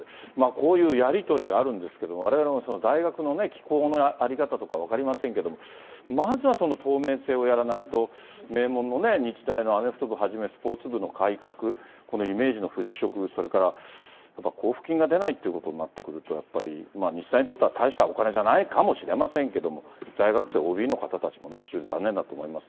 こういうやり取りがあるんですけれども、われわれも大学のね、機構の在り方とか分かりませんけど、まずは透明性をやらないと、名門のね、日大のアメフト部はじめスポーツ部の改革、このイメージの払拭、それから交付金が出ないっていうことになってくると、やっぱり、日大にとっては大したお金じゃないかもしれませんけど、在学生、ＯＢの方たちも非常に残念だと思います。